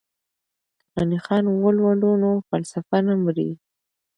که غني خان ولولو نو فلسفه نه مري.